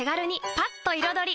パッと彩り！